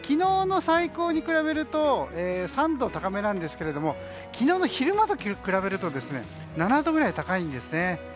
昨日の最高に比べると３度高めなんですけど昨日の昼間と比べると７度ぐらい高いんですね。